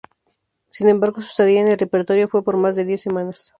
Sin embargo, su estadía en el repertorio fue por más de diez semanas.